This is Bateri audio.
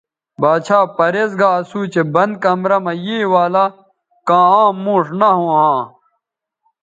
باڇھا پریز گا اسو چہء بند کمرہ مہ یے والہ کاں عام موݜ نہ ھوں ھاں